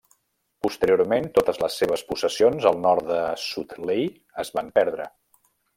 Posteriorment totes les seves possessions al nord del Sutlej es van perdre.